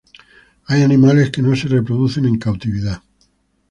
Hay animales que no se reproducen en cautividad.